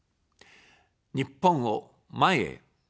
日本を、前へ。